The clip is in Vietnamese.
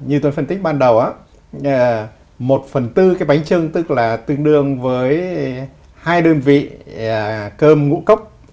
như tôi phân tích ban đầu một phần bốn cái bánh trưng tức là tương đương với hai đơn vị cơm ngũ cốc